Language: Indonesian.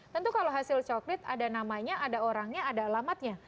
tentu kalau hasil coklit ada namanya ada orangnya ada alamatnya